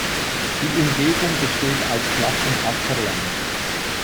Die Umgebung besteht aus flachem Ackerland.